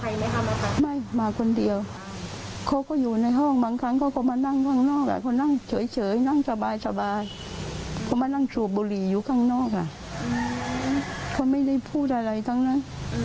ไม่มาคนเดียวเขาก็อยู่ในห้องบางครั้งเขาก็มานั่งข้างนอกอ่ะเขานั่งเฉยนั่งสบายสบายเขามานั่งสูบบุหรี่อยู่ข้างนอกอ่ะเขาไม่ได้พูดอะไรทั้งนั้น